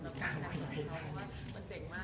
เมื่อไรจะมาเมืองไทย